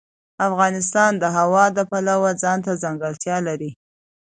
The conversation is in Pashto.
افغانستان د هوا د پلوه ځانته ځانګړتیا لري.